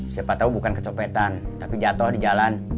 siapa tau bukan kecopetan tapi jatoh di jalan